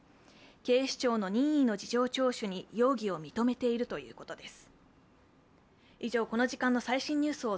警視庁の任意の事情聴取に容疑を認めているということです。